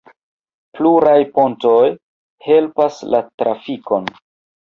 Pluraj pontoj helpas la trafikon.